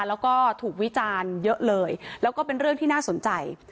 แล้วก็ถูกวิจารณ์เยอะเลยแล้วก็เป็นเรื่องที่น่าสนใจ